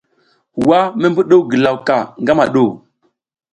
Wa mi mbuɗuw ngilaw ka ngama ɗu ?